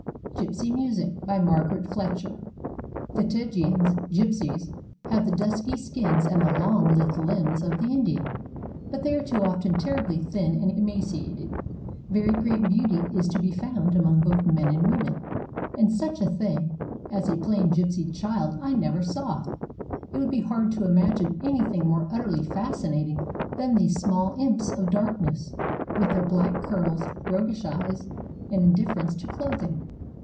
GYPSY MUSIC BY MARGARET FLETCHER The Tziganes [gypsies] have the dusky skins and the long, lithe limbs of the Indian, but they are too often terribly thin and emaciated. Very great beauty is to be found among both men and women, and such a thing as 404 STORIES OF THE GYPSIES a plain gypsy child I never saw. It would be hard to im agine anything more utterly fascinating than these small imps of darkness, with their black curls, roguish eyes, and indifference to clothing.